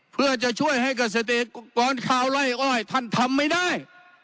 เพื่อจะช่วยให้เกษตรกรชาวไล่อ้อยท่านทำไม่ได้